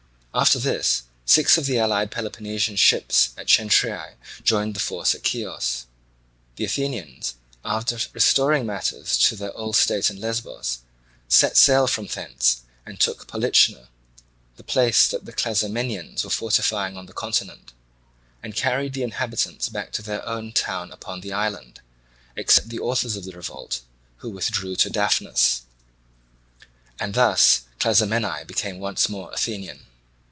After this six of the allied Peloponnesian ships at Cenchreae joined the forces at Chios. The Athenians, after restoring matters to their old state in Lesbos, set sail from thence and took Polichna, the place that the Clazomenians were fortifying on the continent, and carried the inhabitants back to their town upon the island, except the authors of the revolt, who withdrew to Daphnus; and thus Clazomenae became once more Athenian.